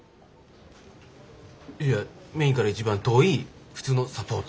いやメインから一番遠い普通のサポート。